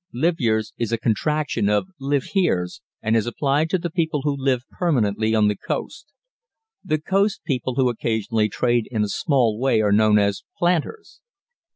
"Livyeres" is a contraction of live heres, and is applied to the people who live permanently on the coast. The coast people who occasionally trade in a small way are known as "planters."